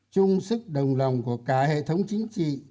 chung sức đồng lòng của cả hệ thống chính trị